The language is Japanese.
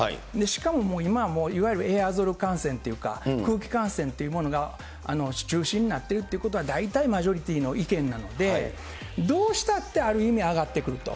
しかも今はいわゆるエアロゾル感染というか、空気感染というものが中心になってるということは、大体マジョリティーの意見なので、どうしたってある意味、上がってくると。